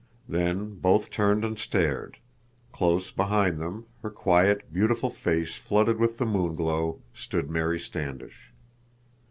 Then both turned and stared. Close behind them, her quiet, beautiful face flooded with the moon glow, stood Mary Standish.